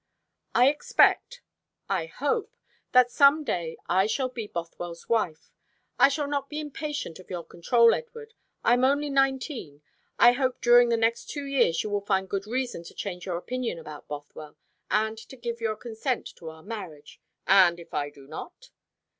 "I expect I hope that some day I shall be Bothwell's wife. I shall not be impatient of your control, Edward. I am only nineteen. I hope during the next two years you will find good reason to change your opinion about Bothwell, and to give your consent to our marriage " "And if I do not?"